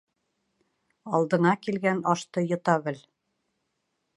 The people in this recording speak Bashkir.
Алдыңа килгән ашты йота бел.